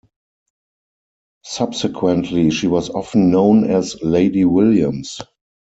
Subsequently she was often known as Lady Williams.